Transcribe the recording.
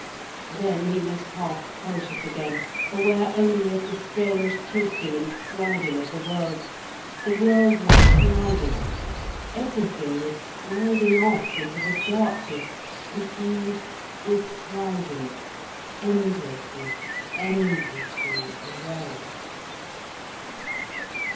Then he was half conscious again, aware only of the strange tilting and sliding of the world. The world was sliding, everything was sliding off into the darkness. And he was sliding, endlessly, endlessly away.